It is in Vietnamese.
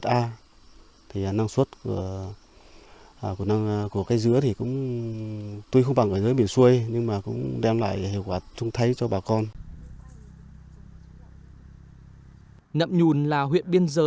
thì năng suất của cái dứa thì cũng tuy không bằng ở dưới biển xuôi nhưng mà cũng đem lại hiệu quả trung thay cho bà con